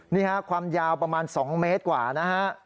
นี่ค่ะความยาวประมาณ๒เมตรกว่านะฮะ